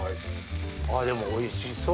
でもおいしそう。